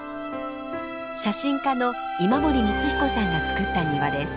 写真家の今森光彦さんがつくった庭です。